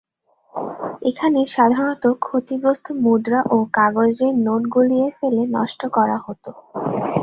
এখানে সাধারণত ক্ষতিগ্রস্ত মুদ্রা ও কাগজের নোট গলিয়ে ফেলে নষ্ট করা হত।